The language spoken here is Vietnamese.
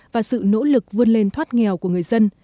và sự nỗ lực vươn lên thoát nghèo của người dân